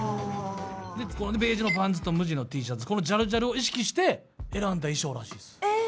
ベージュのパンツと無地のＴシャツジャルジャルを意識して選んだ衣装らしいです。